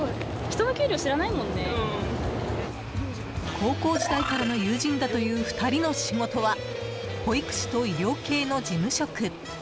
高校時代からの友人だという２人の仕事は保育士と医療系の事務職。